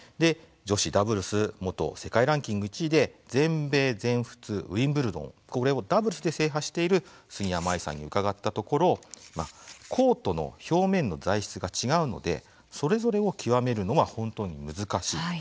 女子ダブルス元世界ランキング１位で全米、全仏、ウィンブルドンこれをダブルスで制覇している杉山愛さんに伺ったところ「コートの表面の材質が違うのでそれぞれを極めるのは本当に難しい。